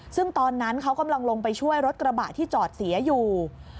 ซึ่งตอนนั้นเขากำลังลงไปช่วยรถกระบะที่จอดเสียอยู่